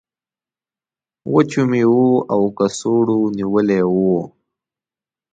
وچو میوو او کڅوړو نیولی و.